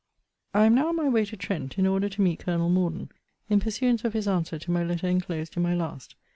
I am now on my way to Trent, in order to meet Colonel Morden, in pursuance of his answer to my letter enclosed in my last.